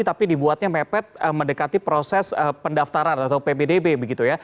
tapi dibuatnya mepet mendekati proses pendaftaran atau ppdb begitu ya